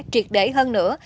triệt để hơn nữa